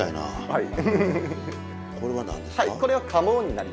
はい。